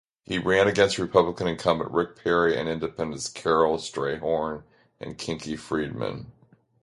He ran against Republican incumbent Rick Perry and independents Carole Strayhorn and Kinky Friedman.